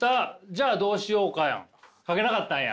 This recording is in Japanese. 「じゃあどうしようか」やん。